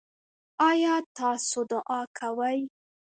ایا تاسو دعا کوئ؟